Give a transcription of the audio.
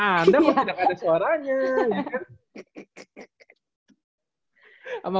anda memang tidak ada suaranya